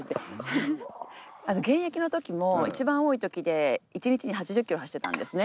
現役の時も一番多い時で１日に８０ｋｍ走ってたんですね。